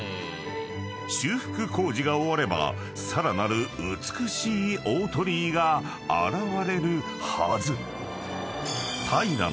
［修復工事が終わればさらなる美しい大鳥居が現れるはず］